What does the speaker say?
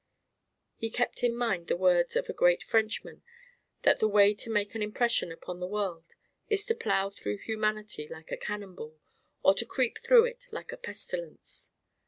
He kept in mind the words of a great Frenchman that the way to make an impression upon the world is to plough through humanity like a cannon ball or to creep through it like a pestilence.